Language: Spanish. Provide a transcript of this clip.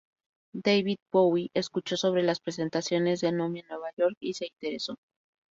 David Bowie escuchó sobre las presentaciones de Nomi en Nueva York y se interesó.